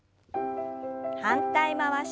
反対回し。